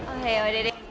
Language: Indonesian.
oh yaudah deh